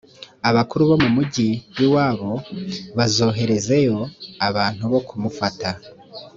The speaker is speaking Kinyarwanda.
abakuru bo mu mugi w’iwabo bazoherezeyo abantu bo kumufata